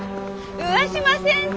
上嶋先生